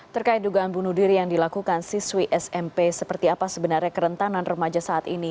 terkait dugaan bunuh diri yang dilakukan siswi smp seperti apa sebenarnya kerentanan remaja saat ini